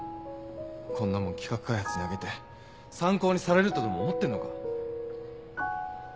こんなもん企画開発に上げて参考にされるとでも思ってんのか。